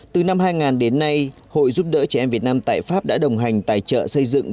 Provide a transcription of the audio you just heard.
từ năm hai nghìn đến nay hội giúp đỡ trẻ em việt nam tại pháp đã đồng hành tài trợ xây dựng